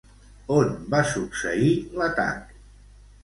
On va succeir l'atac?